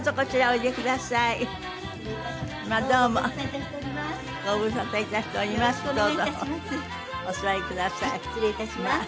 はい失礼いたします。